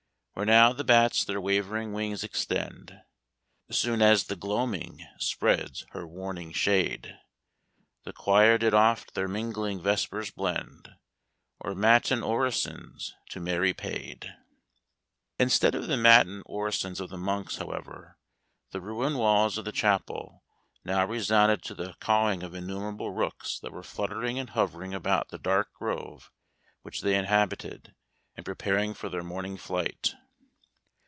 Where now the bats their wavering wings extend, Soon as the gloaming spreads her warning shade, The choir did oft their mingling vespers blend, Or matin orisons to Mary paid." Instead of the matin orisons of the monks, however, the ruined walls of the chapel now resounded to the cawing of innumerable rooks that were fluttering and hovering about the dark grove which they inhabited, and preparing for their morning flight.